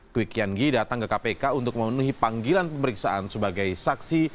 kwi kian gi datang ke kpk untuk memenuhi panggilan pemeriksaan sebagai saksi